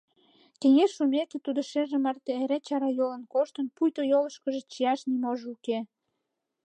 Кеҥеж шумеке, тудо шыже марте эре чарайолын коштын, пуйто йолышкыжо чияш ниможо уке.